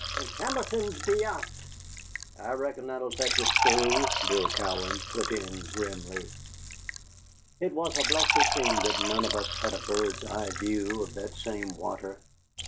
And Hamilton's beyant." "I reckon that'll fetch us through," Bill Cowan put in grimly. It was a blessed thing that none of us had a bird's eye view of that same water.